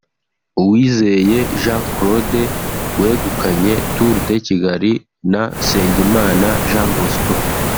Uwizeye Jean Claude wegukanye Tour de Kigali na Nsengimana Jean Bosco